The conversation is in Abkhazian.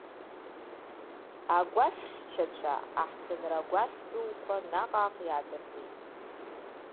Агәашәхьшьцәа аҳҭынра агәашә дуқәа наҟ-ааҟ иаадыртит.